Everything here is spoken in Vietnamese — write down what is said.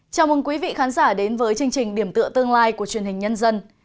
chào mừng quý vị khán giả đến với chương trình điểm tựa tương lai của truyền hình nhân dân